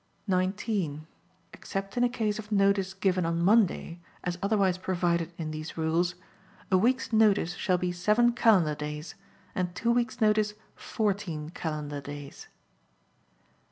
19. Except in a case of notice given on Monday, as otherwise provided in these rules, a week's notice shall be seven calendar days and two weeks' notice fourteen calendar days.